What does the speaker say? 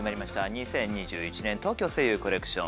２０２１年東京声優コレクション。